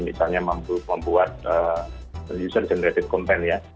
misalnya mampu membuat user generated content ya